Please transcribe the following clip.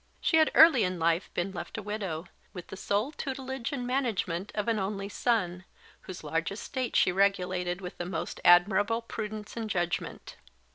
She had early in life been left a widow, with the sole tutelage and management of an only son, whose large estate she regulated with the most admirable prudence and judgment.